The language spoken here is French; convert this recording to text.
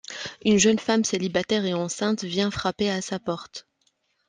Une jeune femme célibataire et enceinte vient frapper à sa porte.